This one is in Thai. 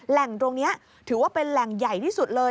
แหล่งตรงนี้ถือว่าเป็นแหล่งใหญ่ที่สุดเลย